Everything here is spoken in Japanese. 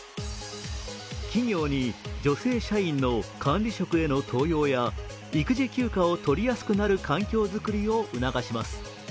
企業に女性社員の管理職への登用や育児休暇を取りやすくなる環境作りを促します。